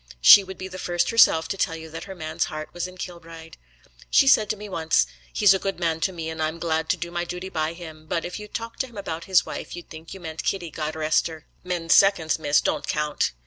She would be the first herself to tell you that her man's heart was in Kilbride. She said to me once: 'He's a good man to me, and I'm glad to do my duty by him; but if you talked to him about his wife he'd think you meant Kitty, God rest her! Men's seconds, miss, don't count.'